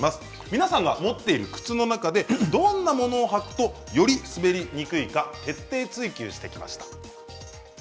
皆さんが持っている靴の中でどんなものを履くとより滑りにくいか徹底「ツイＱ」してきました。